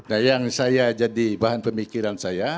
nah yang saya jadi bahan pemikiran saya